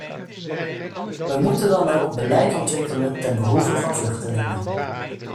We moeten dan ook beleid ontwikkelen ten behoeve van vluchtelingen.